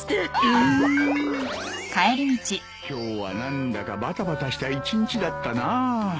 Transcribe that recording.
えー！今日は何だかバタバタした一日だったな。